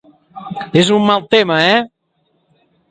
És un mal tema, eh?